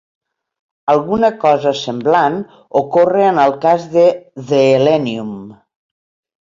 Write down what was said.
Alguna cosa semblant ocorre en el cas de "The Elenium".